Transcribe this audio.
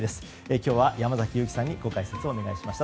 今日は山崎勇亀さんにご解説をお願いしました。